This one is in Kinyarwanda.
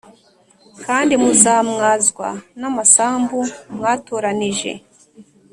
kandi muzamwazwa n’amasambu mwatoranije